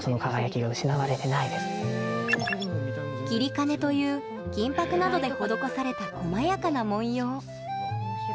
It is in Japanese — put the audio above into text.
きりかねという金ぱくなどで施された細やかな文様。